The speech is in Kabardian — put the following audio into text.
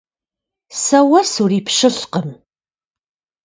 Сэ уэ сурипщылӀкъым!